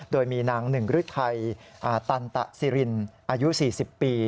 โดยมีนางหนึ่งฤทัยตันตสิรินอายุ๔๐ปี